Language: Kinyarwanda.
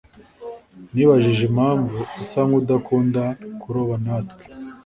Nibajije impamvu asa nkudakunda kuroba natwe.